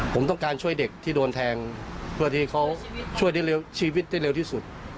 ผมต้องการช่วยเด็กที่โดนแทงเพื่อที่เขาช่วยได้เร็วชีวิตได้เร็วที่สุด